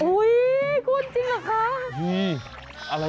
อุ้ยคุณจริงเหรอคะ